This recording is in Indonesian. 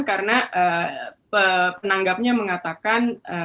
karena penanggapnya mengatakan